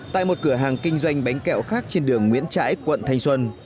tại một cửa hàng kinh doanh bánh kẹo khác trên đường nguyễn trãi quận thanh xuân